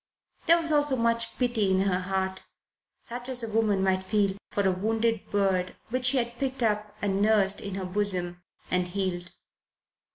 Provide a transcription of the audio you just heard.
There was also much pity in her heart, such as a woman might feel for a wounded bird which she had picked up and nursed in her bosom and healed.